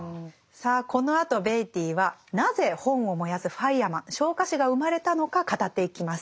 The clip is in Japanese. さあこのあとベイティーはなぜ本を燃やすファイアマン昇火士が生まれたのか語っていきます。